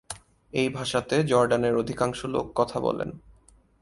এই ভাষাতে জর্ডানের অধিকাংশ লোক কথা বলেন।